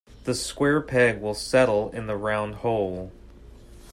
The square peg will settle in the round hole.